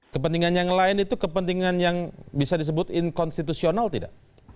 kepentingan yang lain itu kepentingan yang bisa disebut inkonstitusional tidak